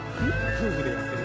夫婦でやってる。